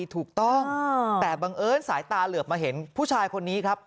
ถูกต้องแต่บังเอิญสายตาเหลือบมาเห็นผู้ชายคนนี้ครับ